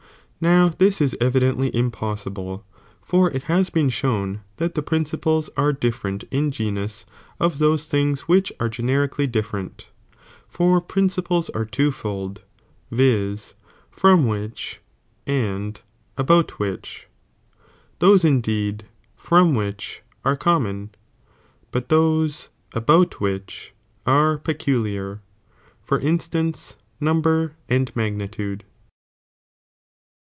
Now this is ! ch. T. evidently impossible, for it haa been shown £ that (i«Dii™o the principles are different in genua of inoae told, M Jv sna things which are generically different, for prioci ples are two fold, \ix./rom which and aboM vikkh, those indeed fTom which are common,^ but those about tehieh are peculiar, for instance, number and magnitude.